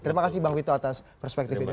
terima kasih bang wito atas perspektif ini